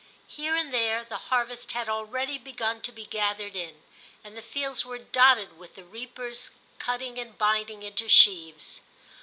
Here and there the harvest had already begun to be gathered in, and the fields were dotted with the reapers, cut ting and binding into sheaves.